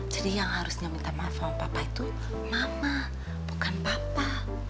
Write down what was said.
jadi yang harusnya minta maaf sama papa itu mama bukan papa